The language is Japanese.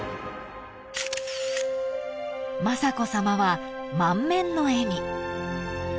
［雅子さまは満面の笑み］